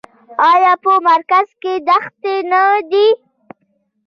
آیا په مرکز کې دښتې نه دي؟